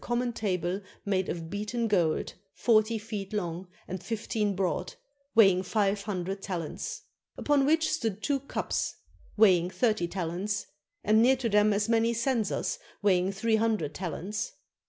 493 MESOPOTAMIA mon table made of beaten gold, forty feet long, and fif teen broad, weighing five hundred talents; upon which stood two cups, weighing thirty talents, and near to them as many censers, weighing three hundred talents.